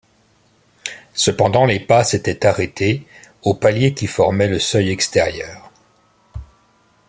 Cependant les pas s’étaient arrêtés au palier qui formait le seuil extérieur.